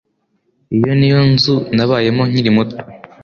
Iyi niyo nzu nabayemo nkiri muto.